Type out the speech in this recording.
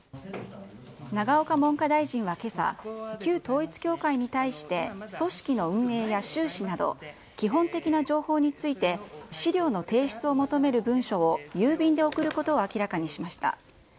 永岡文科大臣はけさ、旧統一教会に対して、組織の運営や収支など、基本的な情報について資料の提出を求める文書を郵便で送ることを明らかにしました。